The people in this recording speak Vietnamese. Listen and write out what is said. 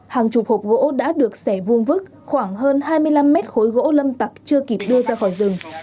hàng chục hộp gỗ đã được xẻ vuông vứt khoảng hơn hai mươi năm mét khối gỗ lâm tặc chưa kịp đưa ra khỏi rừng